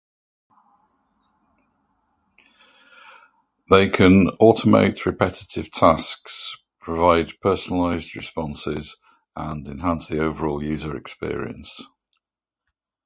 They can automate repetitive tasks, provide personalized responses, and enhance the overall user experience.